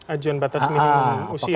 ajuan batas minggu usia begitu ya